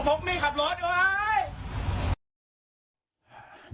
พกมีดขับรถอยู่ไว้